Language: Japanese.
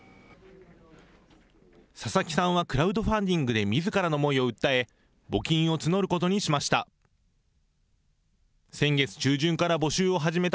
佐々木さんはクラウドファンディングでみずからの思いを訴え、募金を募ることにしました。